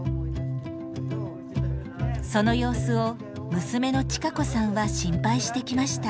その様子を娘の千賀子さんは心配してきました。